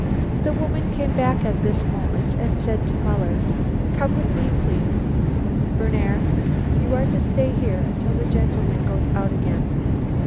The woman came back at this moment and said to Muller, "Come with me, please. Berner, you are to stay here until the gentleman goes out again."